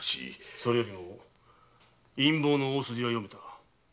それより陰謀の大筋は読めた。